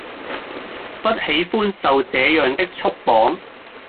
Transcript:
不喜歡受這樣的束縛